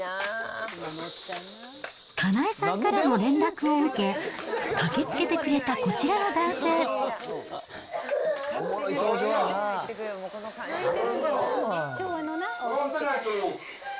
かなえさんからの連絡を受け、駆けつけてくれたこちらの男性なんや。